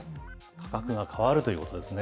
価格が変わるということですね。